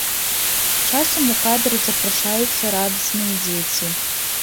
Часам у кадр запрашаюцца радасныя дзеці.